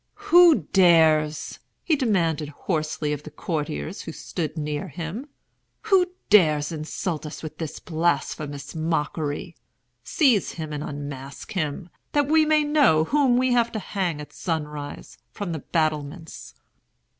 "Who dares?" he demanded hoarsely of the courtiers who stood near him—"who dares insult us with this blasphemous mockery? Seize him and unmask him—that we may know whom we have to hang at sunrise, from the battlements!"